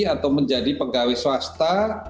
atau menjadi pegawai swasta